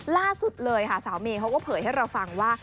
ล่าสุดเลยค่ะสาวเมย์เขาก็เผยให้เราฟังว่า